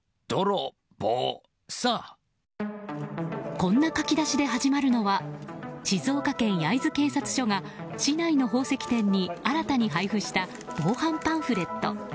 こんな書き出しで始まるのは静岡県焼津警察署が市内の宝石店に新たに配布した防犯パンフレット。